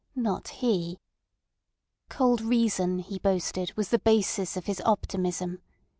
Not he! Cold reason, he boasted, was the basis of his optimism.